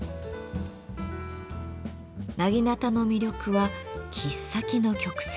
薙刀の魅力は切っ先の曲線。